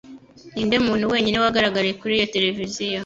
Ninde muntu wenyine wagaragaye kuri iyo televiziyo ?